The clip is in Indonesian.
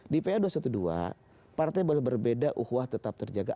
di pa dua ratus dua belas partai boleh berbeda uhwah tetap terjaga